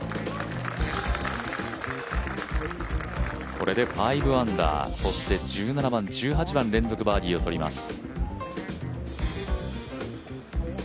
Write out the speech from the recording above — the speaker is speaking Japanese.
これで５アンダー、そして１７番、１８番連続バーディーをとります。